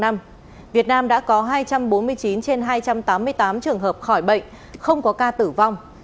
nên hai trăm tám mươi tám trường hợp khỏi bệnh không có ca tử vong